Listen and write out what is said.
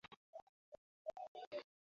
রাজা বলিলেন, ওহে রমাই।